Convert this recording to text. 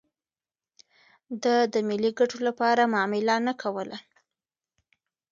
ده د ملي ګټو لپاره معامله نه کوله.